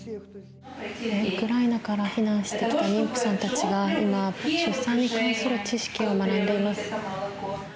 ウクライナから避難してきた妊婦さんたちが今出産に関する知識を学んでいます。